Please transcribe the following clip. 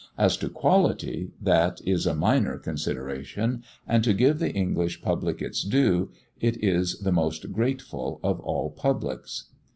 As to quality, that is a minor consideration; and to give the English public its due, it is the most grateful of all publics.